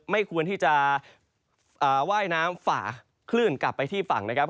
ไม่ควรที่จะว่ายน้ำฝ่าคลื่นกลับไปที่ฝั่งนะครับ